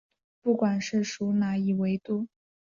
不管是属哪一纬度。